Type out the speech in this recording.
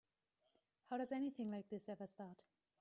How does anything like this ever start?